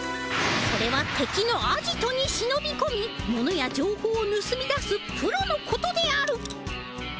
それはてきのアジトにしのびこみ物やじょうほうをぬすみ出すプロのことである。